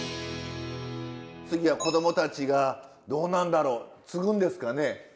次は子どもたちがどうなんだろう継ぐんですかね？